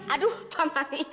aduh pak mali